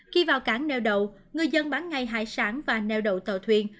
khi vào cảng neo đầu người dân bán ngay hải sản và neo đầu tàu thuyền